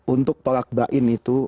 untuk talak bain itu